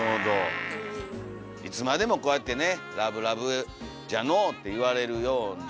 いつまでもこうやってね「ラブラブじゃのお」って言われるような。